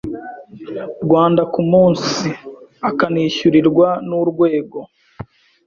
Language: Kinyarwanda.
Rwanda ku munsi akanishyurirwa n urwego